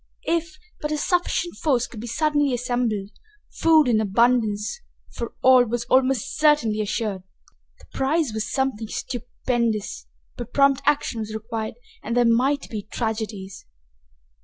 If but a sufficient force could be suddenly assembled, food in abundance for all was almost certainly assured. The prize was something stupendous, but prompt action was required, and there might be tragedies.